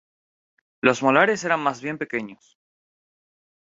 Los molares eran más bien pequeños.